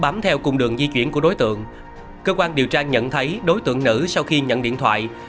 bám theo cùng đường di chuyển của đối tượng cơ quan điều tra nhận thấy đối tượng nữ sau khi nhận điện thoại